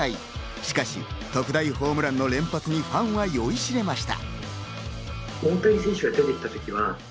しかし特大ホームランの連発にファンは酔いしれました。